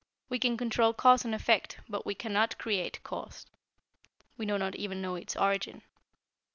We can control Cause and Effect, but we cannot create Cause. We do not even know its origin.